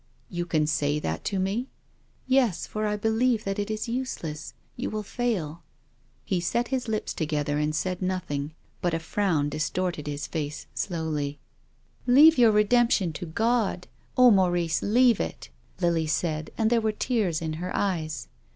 " You can say that to mc ?"" Yes, for I believe that it is useless — you will fail." He set his lips together and said nothing. But a frown distorted his face slowly. 238 TONGUES OF CONSCIENCE. " Leave your redemption to God. Oh, Maurice, leave it," Lily said, and there were tears in her eyes.